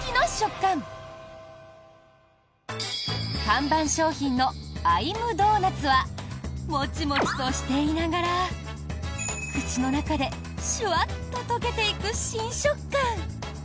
看板商品のアイムドーナツ？はモチモチとしていながら口の中でシュワッと溶けていく新食感。